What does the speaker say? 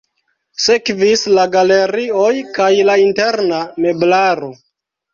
Sekvis la galerioj kaj la interna meblaro.